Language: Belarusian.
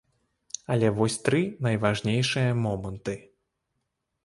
Але вось тры найважнейшыя моманты.